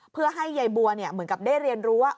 เพื่อให้ยายบัวเหมือนกับได้เรียนรู้ว่า